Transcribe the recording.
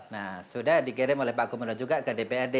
nah sudah dikirim oleh pak gubernur juga ke dprd